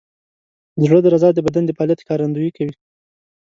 د زړه درزا د بدن د فعالیت ښکارندویي کوي.